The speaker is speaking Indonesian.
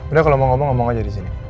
udah kalau mau ngomong ngomong aja disini